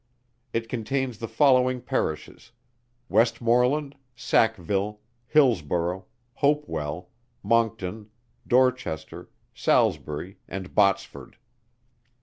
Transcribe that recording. It contains the following Parishes: Westmorland, Sackville, Hillsborough, Hopewell, Moncton, Dorchester, Salisbury, and Botsford.